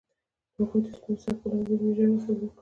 هغوی د سپین څپو لاندې د مینې ژورې خبرې وکړې.